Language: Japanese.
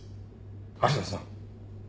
芦名さん。